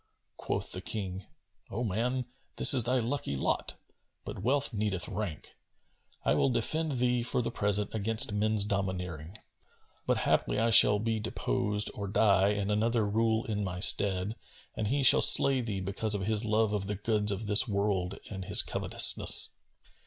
Quoth the King, O man this is thy lucky lot; but wealth needeth rank,[FN#251] I will defend thee for the present against men's domineering; but haply I shall be deposed or die and another rule in my stead, and he shall slay thee because of his love of the goods of this world and his covetousness.